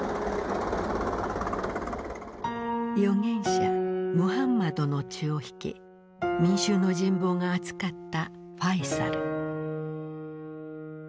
預言者ムハンマドの血を引き民衆の人望があつかったファイサル。